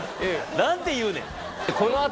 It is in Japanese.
何て言うねん